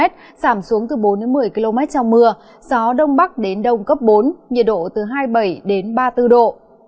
giảm xuống từ bốn một mươi km trong mưa gió đông bắc đến đông cấp bốn nhiệt độ từ hai mươi bảy đến ba mươi bốn độ